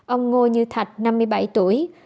ông ngô như thạch năm mươi bảy tuổi